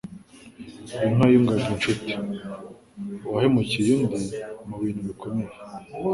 Inka yungaga inshuti. Uwahemukiye undi mu bintu bikomeye